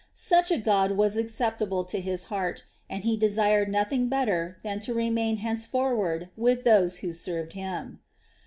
Such a God was acceptable to his heart, and he desired nothing better than to remain henceforward with those who served Him.